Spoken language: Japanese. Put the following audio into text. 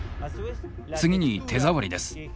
次に手触りです。